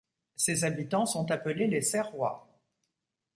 Ses habitants sont appelés les Serrois.